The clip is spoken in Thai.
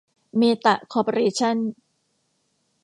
เมตะ คอร์ปอเรชั่น